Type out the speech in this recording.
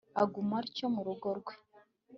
aguma atyo mu rugo rwe